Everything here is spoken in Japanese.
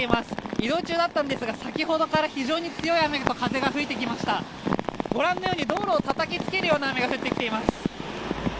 移動中だったんですが先ほどから非常に強い雨と風が吹いてきましたご覧のように、道路をたたきつけるような雨が降ってきています。